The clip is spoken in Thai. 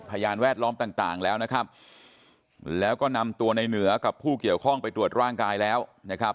พยานแวดล้อมต่างแล้วนะครับแล้วก็นำตัวในเหนือกับผู้เกี่ยวข้องไปตรวจร่างกายแล้วนะครับ